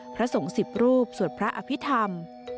พระสงฆ์๑๐รูปสวดพระอภิษฐรรม